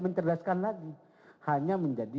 mencerdaskan lagi hanya menjadi